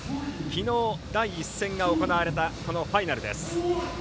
きのう、第１戦が行われたこのファイナルです。